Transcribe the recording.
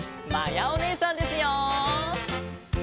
まやおねえさんですよ！